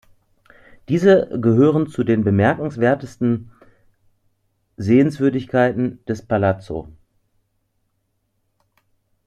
Diese gehören zu den bemerkenswertesten Sehenswürdigkeiten des Palazzo.